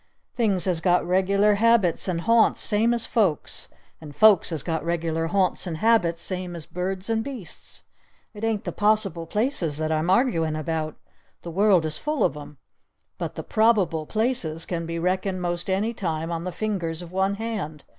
Things has got regular habits and haunts same as Folks! And Folks has got regular haunts and habits same as birds and beasts! It ain't the Possible Places that I'm arguin' about! The world is full of 'em! But the Probable Places can be reckoned most any time on the fingers of one hand!